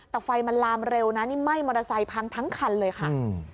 แต่ไฟมันลามเร็วนะนี่ไหม้มอเตอร์ไซค์พังทั้งคันเลยค่ะอืม